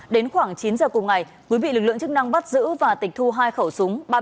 đến khoảng chín giờ cùng ngày quý bị lực lượng chức năng bắt giữ và tịch thu hai khẩu súng